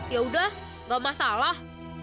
yaudah gak masalah